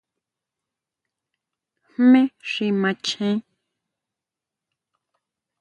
¿Jmé xi macheén?